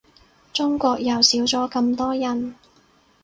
中國又少咗咁多人